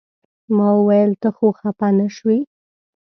ما ویل ته خو خپه نه شوې.